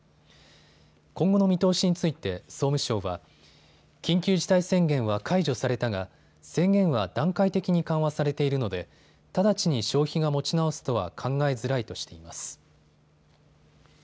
今後の見通しについて総務省は緊急事態宣言は解除されたが、制限は段階的に緩和されているので直ちに消費が持ち直すとは考えづらいとしています。